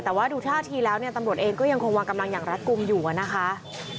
แต่ว่าดูท่าทีแล้วเนี่ยตำรวจเองก็ยังคงวางกำลังอย่างรัฐกลุ่มอยู่นะคะ